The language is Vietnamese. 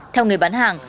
theo người bán hàng